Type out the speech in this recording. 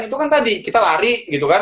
itu kan tadi kita lari gitu kan